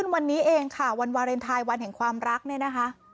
วันนี้เองค่ะวันวาเลนไทยวันแห่งความรักเนี่ยนะคะ